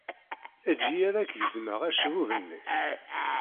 Eǧǧ-iyi ad ak-gezmeɣ acebbub-nnek!